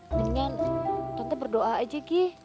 mendingan tante berdoa aja gi